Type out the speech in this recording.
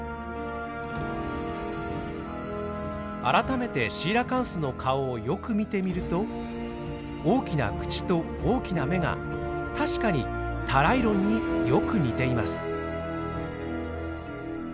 改めてシーラカンスの顔をよく見てみると大きな口と大きな目が確かにタライロンによく似ています。